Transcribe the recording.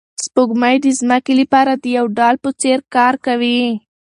سپوږمۍ د ځمکې لپاره د یو ډال په څېر کار کوي.